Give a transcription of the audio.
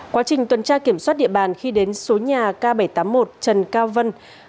quá trình tuần tra kiểm soát địa bàn khi đến số nhà k bảy trăm tám mươi một trần cao vân